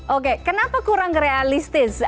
oke kenapa kurang realistis